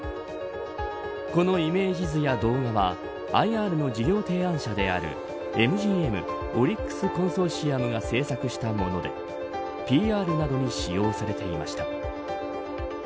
このイメージ図や動画はＩＲの事業提案者であるＭＧＭ・オリックスコンソーシアムが制作したものでＰＲなどに制作されていました。